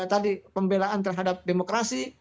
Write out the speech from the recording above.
tadi pembelaan terhadap demokrasi